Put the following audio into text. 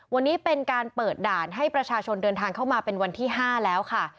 วันนี้เป็นการเปิดด่านให้ประชาชนเดินทางเข้ามาเป็นวันที่๕แล้วค่ะ